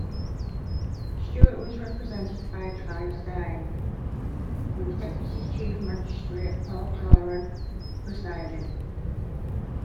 Stewart was represented by Clive Steirn, with Deputy Chief Magistrate Paul Cloran presiding.